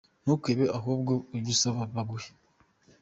Ntukibe ahubwo ujyusaba baguhe.